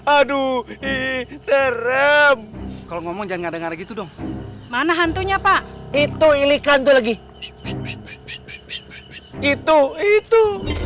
aduh serem kalau ngomong jangan dengar gitu dong mana hantunya pak itu ilikan tuh lagi itu itu